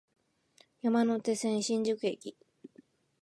山手線、新宿駅